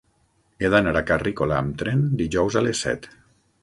He d'anar a Carrícola amb tren dijous a les set.